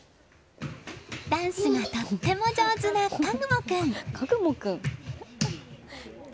ダンスがとっても上手な禾雲君。